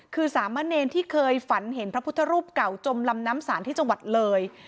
คือสามะเนรที่เคยฝันเห็นพระพุทธรูปเก่าจมลำน้ำสารที่จังหวัดเลย